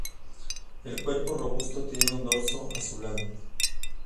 El cuerpo robusto tiene un dorso azulado.